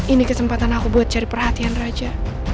ini kesempatan aku buat cari perhatian raja